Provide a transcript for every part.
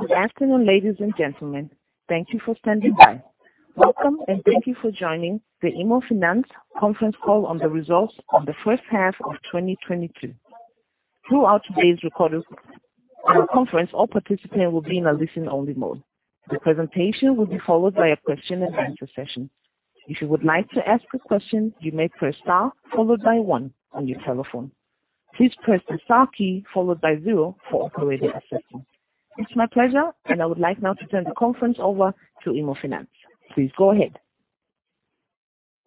Good afternoon, ladies and gentlemen. Thank you for standing by. Welcome, and thank you for joining the Immofinanz conference call on the results of the first half of 2022. Throughout today's conference, all participants will be in a listen-only mode. The presentation will be followed by a question-and-answer session. If you would like to ask a question, you may press star followed by one on your telephone. Please press the star key followed by zero for operator assistance. It's my pleasure, and I would like now to turn the conference over to Immofinanz. Please go ahead.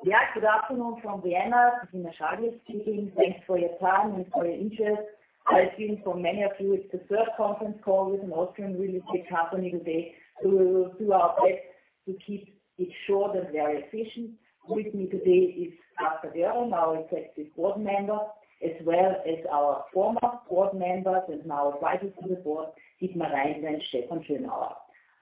Yeah. Good afternoon from Vienna. Vesna Saric speaking. Thanks for your time and for your interest. I think for many of you, it's the third conference call with an Austrian real estate company today. We will do our best to keep it short and very efficient. With me today is Katja Dörr, our Executive Board Member, as well as our former Board Members and now Advisors to the Board, Dietmar Reindl and Stefan Schönauer.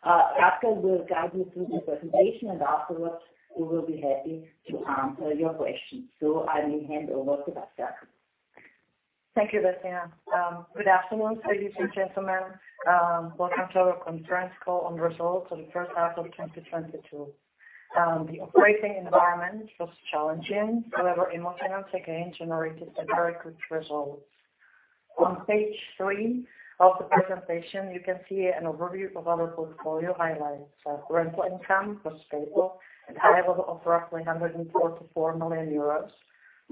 Katja will guide you through the presentation, and afterwards, we will be happy to answer your questions. I will hand over to Radka. Thank you, Vesna. Good afternoon, ladies and gentlemen. Welcome to our conference call on results for the first half of 2022. The operating environment was challenging. However, Immofinanz again generated some very good results. On page 3 of the presentation, you can see an overview of our portfolio highlights. Rental income was stable and high of roughly 144 million euros.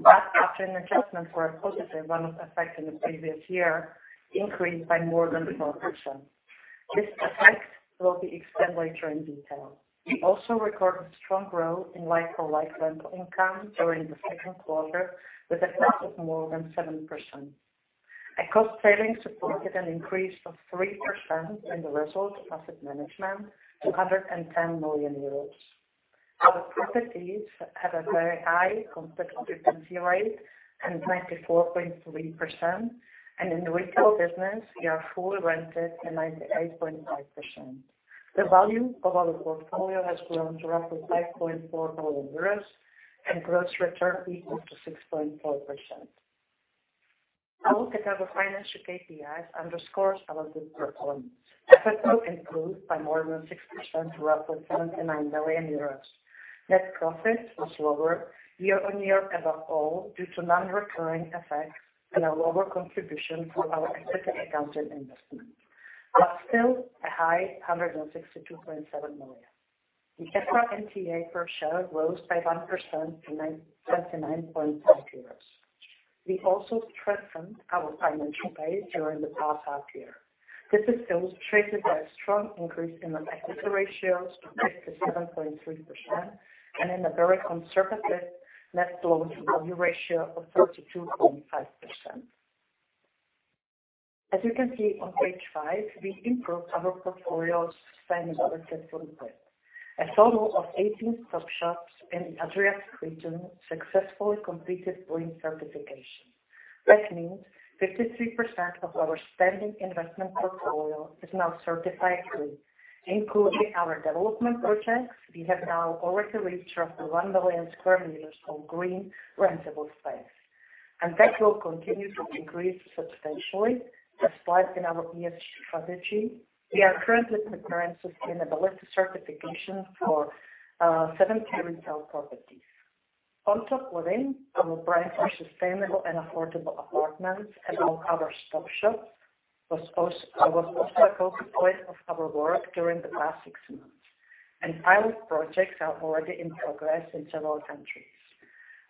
After an adjustment for a positive one-off effect in the previous year, increased by more than 4%. This effect will be explained later in detail. We also recorded strong growth in like-for-like rental income during the second quarter, with a growth of more than 7%. A cost saving supported an increase of 3% in the result of asset management to 110 million euros. Our properties have a very high complete occupancy rate, and 94.3%. In the retail business, we are fully rented to 98.5%. The value of our portfolio has grown to roughly 5.4 billion euros and gross return equal to 6.4%. A look at our financial KPIs underscores our good performance. EBITDA improved by more than 6% to roughly 79 million euros. Net profit was lower year on year as a whole due to non-recurring effects and a lower contribution from our equity accounting investment. Still a high 162.7 million. The EPRA NTA per share rose by 1% to 99.9 euros. We also strengthened our financial base during the past half year. This is still reflected by a strong increase in the net debt to assets ratio to 57.3%, and in a very conservative net loan-to-value ratio of 32.5%. As you can see on page five, we improved our portfolio's sustainability footprint. A total of 18 STOP SHOPs in the Adriatic region successfully completed green certification. That means 53% of our standing investment portfolio is now certified green. Including our development projects, we have now already reached roughly 1 million square meters of green rentable space. That will continue to increase substantially as planned in our ESG strategy. We are currently preparing sustainability certification for 70 retail properties. On Top Living, our brand for sustainable and affordable apartments in all our STOP SHOPs was also a focus point of our work during the past six months, and pilot projects are already in progress in several countries.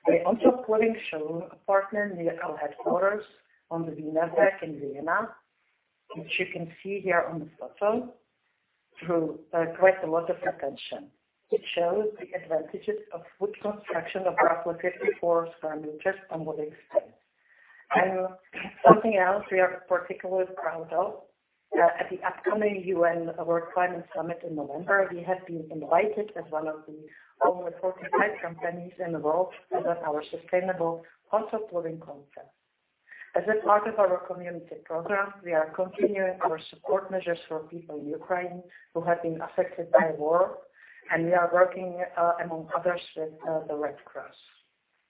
The On Top Living showroom partner near our headquarters on the Wienerberg in Vienna, which you can see here on this photo, drew quite a lot of attention. It shows the advantages of wood construction of roughly 54 square meters of living space. Something else we are particularly proud of, at the upcoming UN Climate Change Conference in November, we have been invited as one of the only 45 companies in the world because of our sustainable On Top Living concept. As a part of our community program, we are continuing our support measures for people in Ukraine who have been affected by war, and we are working, among others, with the Red Cross.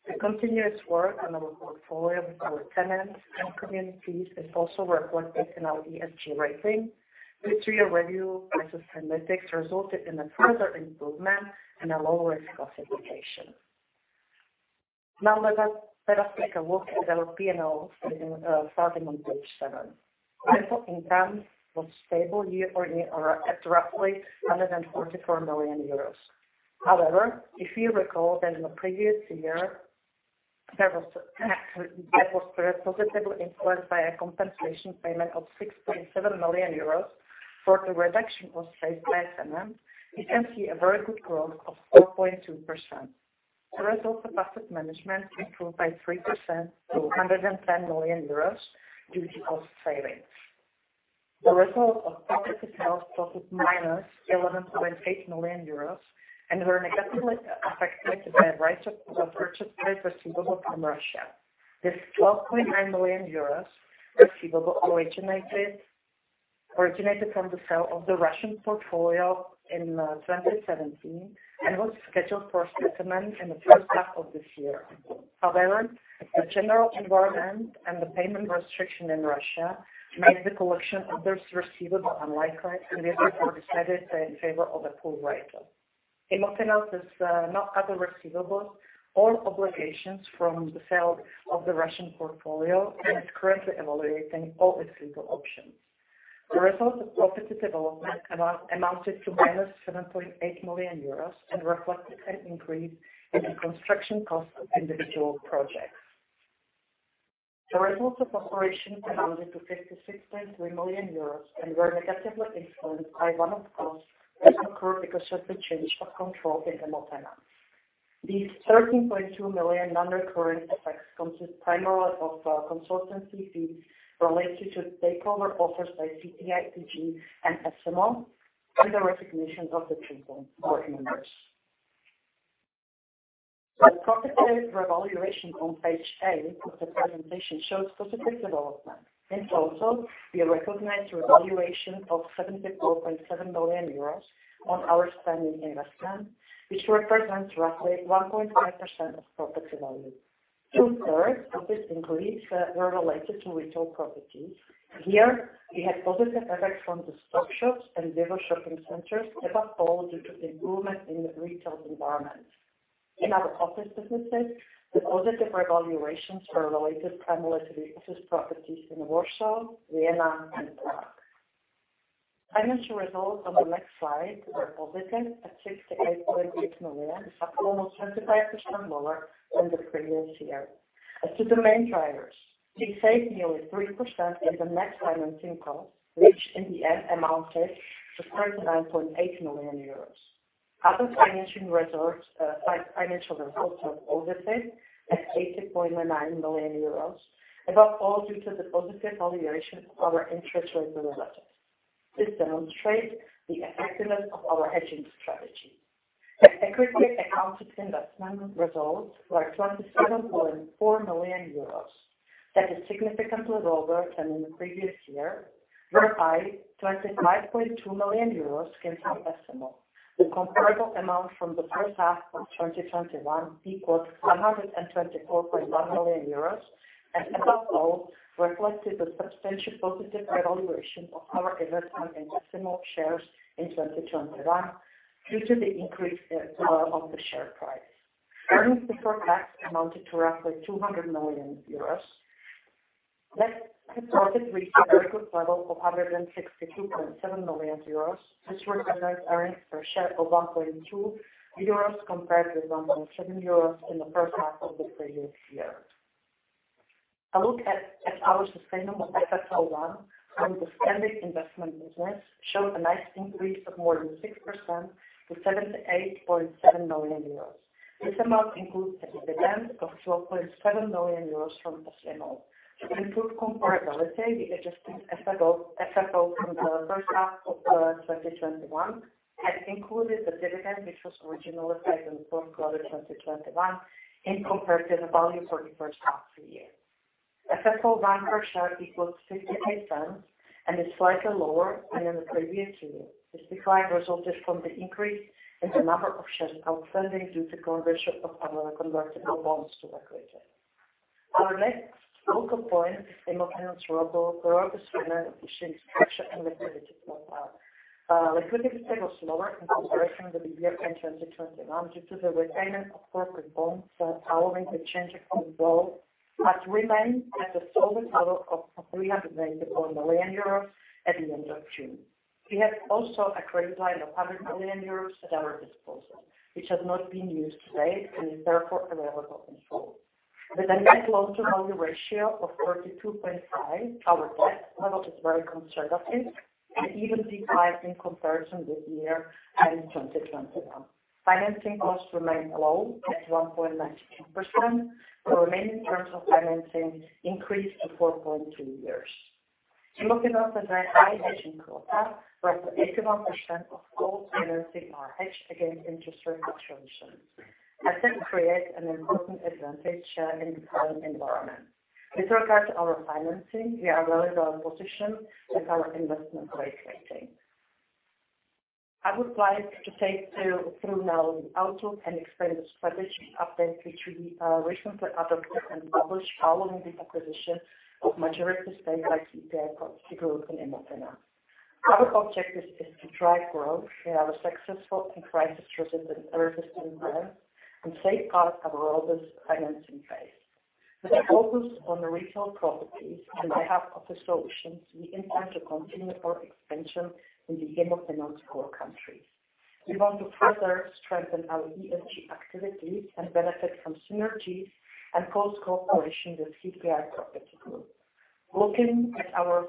The continuous work on our portfolio with our tenants and communities is also reflected in our ESG rating. The three-year review by Sustainalytics resulted in a further improvement and a low-risk classification. Now let us take a look at our P&L, starting on page seven. Rental income was stable year-over-year at roughly 144 million euros. However, if you recall that in the previous year, that was positively influenced by a compensation payment of 6.7 million euros for the reduction of space by tenants, you can see a very good growth of 4.2%. The results of asset management improved by 3% to 110 million euros due to cost savings. The result of property sales totaled -11.8 million euros and were negatively affected by write-off of purchase price receivable from Russia. This 12.9 million euros receivable originated from the sale of the Russian portfolio in 2017 and was scheduled for settlement in the first half of this year. However, the general environment and the payment restriction in Russia made the collection of this receivable unlikely, and therefore decided in favor of a full write-off. Immofinanz has no other receivables or obligations from the sale of the Russian portfolio and is currently evaluating all its legal options. The result of property development amounted to -7.8 million euros and reflected an increase in the construction cost of individual projects. The results of operation amounted to 56.3 million euros and were negatively influenced by one-off costs that occurred because of the change of control in Immofinanz. These 13.2 million non-recurrent effects consist primarily of consultancy fees related to takeover offers by CPIPG and S IMMO. The property revaluation on page eight of the presentation shows positive development. Hence also, we recognize revaluation of 74.7 million euros on our standing investment, which represents roughly 1.5% of property value. Two-thirds of this increase were related to retail properties. Here we had positive effects from the STOP SHOP and VIVO! shopping centers above all due to the improvement in the retail environment. In our office businesses, the positive revaluations were related primarily to the office properties in Warsaw, Vienna and Prague. Financial results on the next slide were positive at EUR 68.8 million, but almost 25% lower than the previous year. As to the main drivers, we saved nearly 3% in the net financing cost, which in the end amounted to 39.8 million euros. Other financing reserves, financial results were positive at 80.9 million euros, above all due to the positive evaluation of our interest rate derivatives. This demonstrates the effectiveness of our hedging strategy. The equity account investment results were 27.4 million euros. That is significantly lower than in the previous year, whereby 25.2 million euros can be estimated. The comparable amount from the first half of 2021 equals 124.1 million euros, and above all reflected the substantial positive revaluation of our investment in S IMMO shares in 2021 due to the increased value of the share price. Earnings before tax amounted to roughly 200 million euros. Net profit reached a very good level of EUR 162.7 million, which represents earnings per share of 1.2 euros compared with 1.7 euros in the first half of the previous year. A look at our sustainable FFO1 from the standing investment business showed a nice increase of more than 6% to 78.7 million euros. This amount includes a dividend of 12.7 million euros from S IMMO. To improve comparability, we adjusted FFO from the first half of 2021 and included the dividend, which was originally paid in the fourth quarter 2021 and compared the value for the first half of the year. FFO1 per share equals 0.58 and is slightly lower than in the previous year. This decline resulted from the increase in the number of shares outstanding due to conversion of our convertible bonds to equity. Our next focal point is Immofinanz's robust financial structure and liquidity profile. Liquidity was lower in comparison with the year-end 2021 due to the repayment of corporate bonds. However, the cash on hand has remained at the solid level of 381 million at the end of June. We have also a credit line of 100 million euros at our disposal, which has not been used to date and is therefore available in full. With a net loan-to-value ratio of 32.5, our debt level is very conservative and even declined in comparison this year and in 2021. Financing costs remain low at 1.19%. Our remaining term of financing increased to 4.2 years. Immofinanz has a high hedging quota, where 81% of all financing are hedged against interest rate fluctuations. I think it creates an important advantage in the current environment. With regard to our financing, we are well positioned with our investment grade rating. I would like to take you through now the outlook and explain the strategy update, which we recently adopted and published following the acquisition of majority stake by CPI Property Group in Immofinanz. Our objective is to drive growth. We have a successful and crisis-resistant urban store brand and safeguard our robust financing base. With a focus on the retail properties and light industrial office solutions, we intend to continue our expansion in the Immofinanz core countries. We want to further strengthen our ESG activities and benefit from synergies and close cooperation with CPI Property Group. Looking at our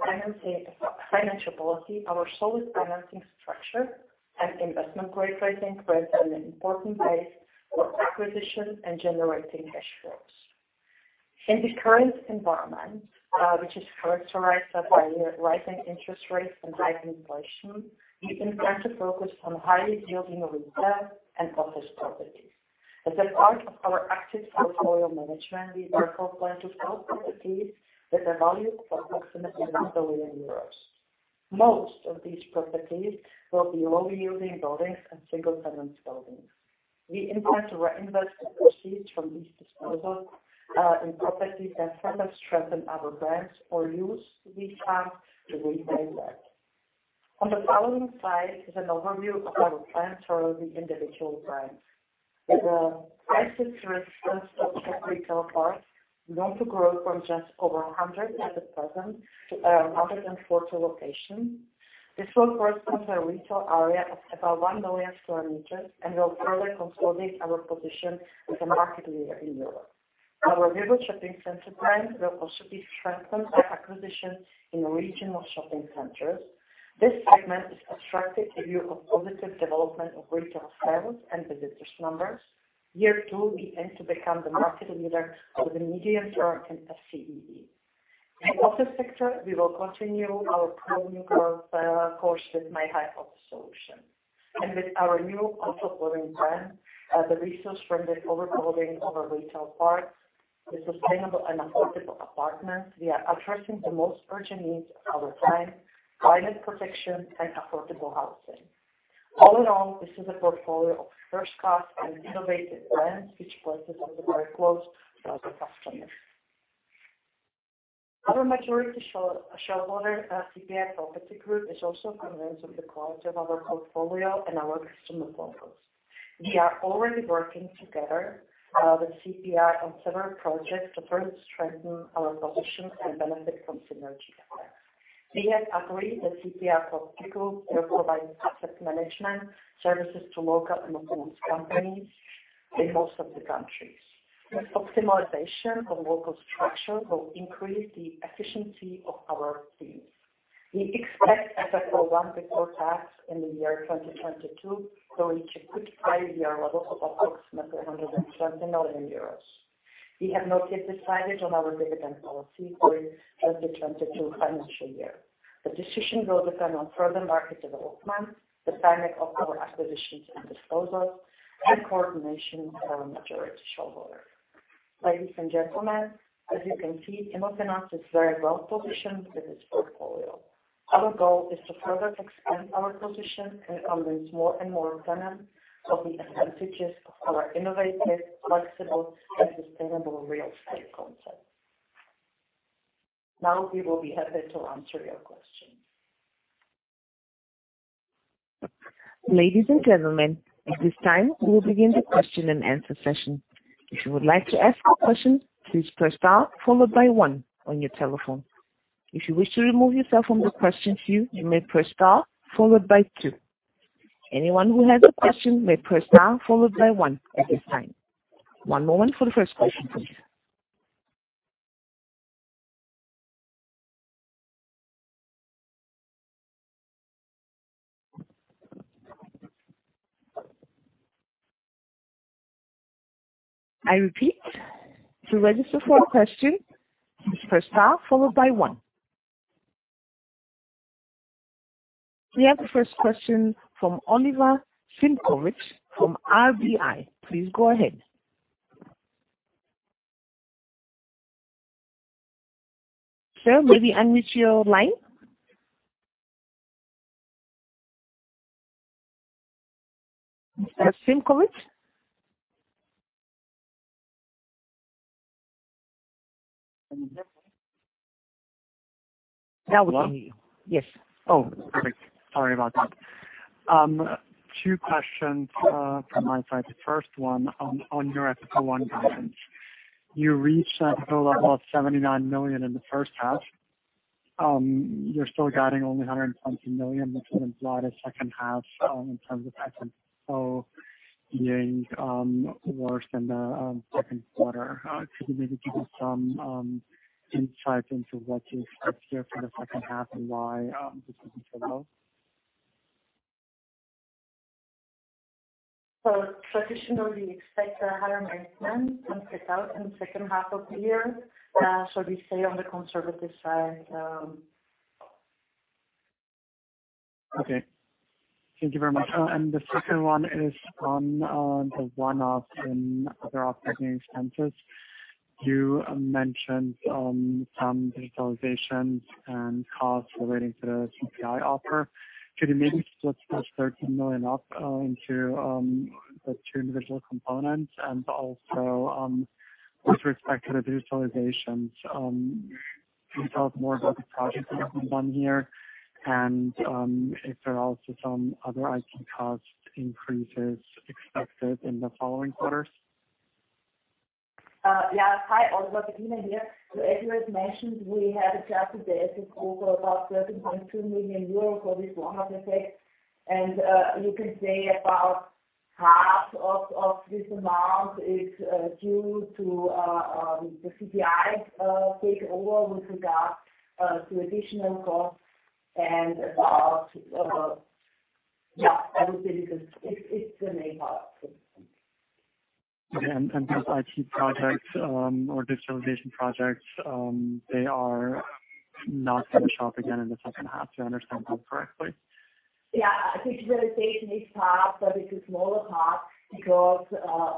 financial policy, our solid financing structure and investment grade rating present an important base for acquisition and generating cash flows. In the current environment, which is characterized by rising interest rates and high inflation, we intend to focus on highly yielding retail and office properties. As a part of our active portfolio management, we therefore plan to sell properties with a value of approximately EUR 1 billion. Most of these properties will be low-yielding buildings and single-tenant buildings. We intend to reinvest the proceeds from these disposals in properties that further strengthen our brands or use these funds to repay debt. On the following slide is an overview of our plans for the individual brands. The fastest growth of STOP SHOP retail parks is going to grow from just over 100 at the present to 140 locations. This will correspond to a retail area of about 1 million square meters and will further consolidate our position as a market leader in Europe. Our neighborhood shopping center plan will also be strengthened by acquisitions in regional shopping centers. This segment is attractive due to positive development of retail sales and visitors numbers. Year two, we aim to become the market leader of the medium term in SCE. In office sector, we will continue our premium growth course with myhive office solution. With our new co-supporting brand, On Top Living from the overbuilding of our retail parks, the sustainable and affordable apartments, we are addressing the most urgent needs of our time, climate protection and affordable housing. All in all, this is a portfolio of first-class and innovative brands which places us very close to our customers. Our majority shareholder CPI Property Group is also convinced of the quality of our portfolio and our customer focus. We are already working together with CPI on several projects to further strengthen our position and benefit from synergy effects. We have agreed that CPI Property Group will provide asset management services to local companies in most of the countries. This optimization of local structure will increase the efficiency of our teams. We expect EBITDA before tax in the year 2022 to reach a good prior year level of approximately 120 million euros. We have not yet decided on our dividend policy for 2022 financial year. The decision will depend on further market development, the timing of our acquisitions and disposals, and coordination with our majority shareholder. Ladies and gentlemen, as you can see, Immofinanz is very well positioned with its portfolio. Our goal is to further expand our position and convince more and more tenants of the advantages of our innovative, flexible, and sustainable real estate concept. Now, we will be happy to answer your questions. Ladies and gentlemen, at this time, we will begin the question-and-answer session. If you would like to ask a question, please press star followed by one on your telephone. If you wish to remove yourself from the question queue, you may press star followed by two. Anyone who has a question may press star followed by one at this time. One moment for the first question, please. I repeat, to register for a question, please press star followed by one. We have the first question from Oliver Simkovic from RBI. Please go ahead. Sir, may we unmute your line? Mr. Simkovic? Now we can hear you. Hello? Yes. Oh, perfect. Sorry about that. Two questions from my side. The first one on your FFO I guidance. You reached that goal of 79 million in the first half. You're still guiding only 120 million, which would imply the second half in terms of FFO I being worse than the second quarter. Could you maybe give me some insight into what you expect here for the second half and why this is so low? Traditionally, we expect a higher maintenance and fit out in the second half of the year, so we stay on the conservative side. Okay. Thank you very much. The second one is on the one-off in other operating expenses. You mentioned some digitalizations and costs relating to the CPI offer. Could you maybe split those 13 million up into the two individual components? Also, with respect to the digitalizations, can you tell us more about the projects that have been done here and if there are also some other IT cost increases expected in the following quarters? Hi, Oliver. Regina here. As you have mentioned, we had adjusted this over about 13.2 million euros for this one-off effect. You can say about half of this amount is due to the CPI's takeover with regards to additional costs. I would say because it's the main part. Okay. These IT projects, or digitalization projects, they are not going to show up again in the second half. Do I understand that correctly? Digitalization is part, but it's a smaller part because a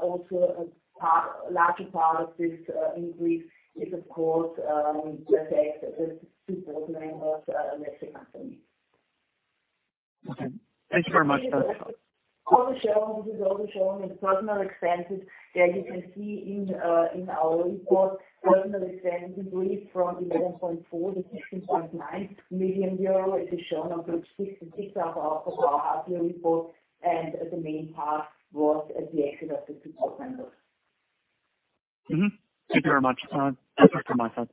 larger part of this increase is of course the effect of the supermajority in S IMMO. Okay. Thank you very much. This is also shown in personal expenses that you can see in our report. Personal expenses increased from 11.4 million-16.9 million euro, as is shown on page 66 of our half-year report. The main part was at the exit of the support members. Thank you very much. That's all from my side.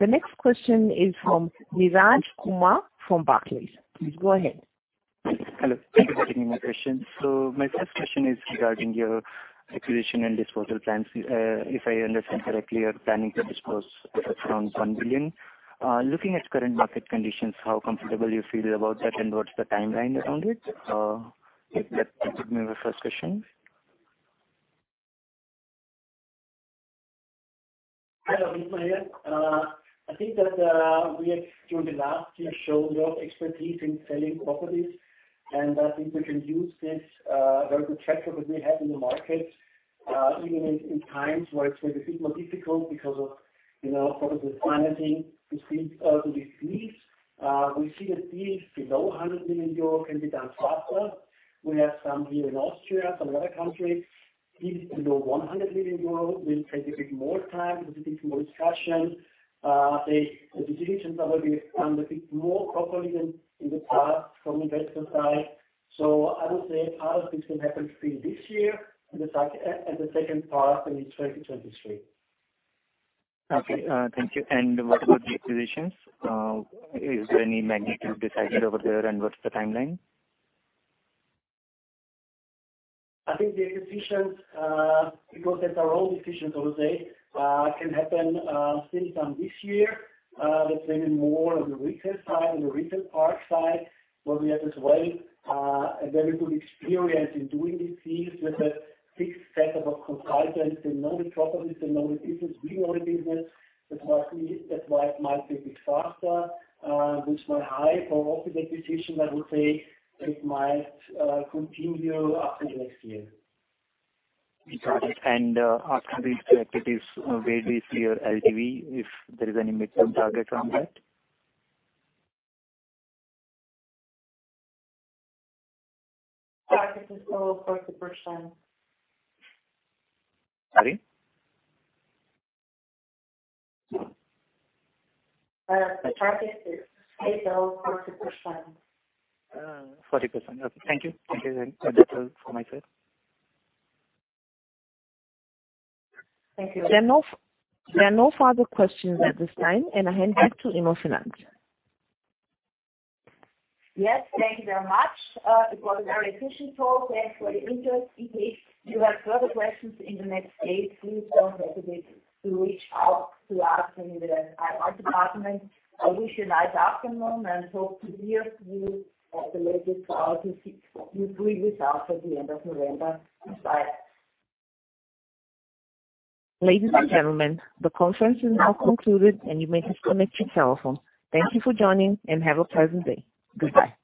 The next question is from Neeraj Kumar from Barclays. Please go ahead. Hello. Thank you for taking my question. My first question is regarding your acquisition and disposal plans. If I understand correctly, you're planning to dispose assets around 1 billion. Looking at current market conditions, how comfortable you feel about that, and what's the timeline around it? If that could be my first question. Hello. [Micha] here. I think that we have, during the last year, shown a lot of expertise in selling properties, and I think we can use this very good track record we have in the market, even in times where it's maybe a bit more difficult because of, you know, the financing we see. We see that deals below 100 million euros can be done faster. We have some here in Austria, some other countries. Deals below 100 million euros will take a bit more time with a bit more discussion. The decisions are a bit more properly than in the past from investor side. I would say part of this can happen between this year and the second part will be 2023. Okay, thank you. What about the acquisitions? Is there any magnitude decided over there, and what's the timeline? I think the acquisitions, because they're our own decisions, I would say, can happen, things done this year. That's maybe more on the retail side, on the retail park side, where we have as well a very good experience in doing these deals with a fixed set of our consultants. They know the properties. They know the business. We know the business. That's why it might be a bit faster, which might hide. For office acquisition, I would say it might continue up to next year. Got it. After these activities, where do you see your LTV, if there is any midterm target around that? Target is still 40%. Sorry? The target is still 40%. 40%. Okay. Thank you. Thank you. That's all from my side. Thank you. There are no further questions at this time and I hand back to Immofinanz. Yes, thank you very much. It was a very efficient talk. Thanks for your interest. If you have further questions in the next days, please don't hesitate to reach out to us in the IR department. I wish you a nice afternoon, and hope to hear from you at the latest for these pre-results at the end of November. Bye. Ladies and gentlemen, the conference is now concluded, and you may disconnect your telephone. Thank you for joining and have a pleasant day. Goodbye.